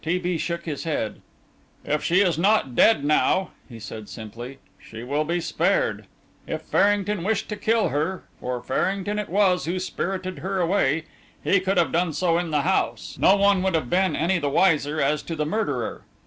T. B. shook his head. "If she is not dead now," he said simply, "she will be spared. If Farrington wished to kill her for Farrington it was who spirited her away he could have done so in the house; no one would have been any the wiser as to the murderer.